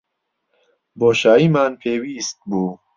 بۆشاییمان پێویست بوو.